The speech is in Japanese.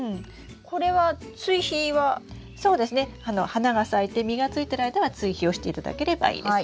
花が咲いて実がついてる間は追肥をしていただければいいです。